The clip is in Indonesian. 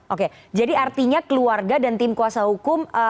oke jadi artinya keluarga dan tim kuasa hukum